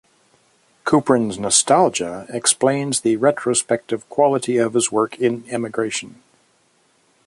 Kuprin's nostalgia explains the retrospective quality of his work in emigration.